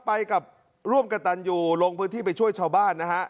ไปกับร่วมกระตันอยู่ลงพื้นที่ไปช่วยชาวบ้านนะฮะ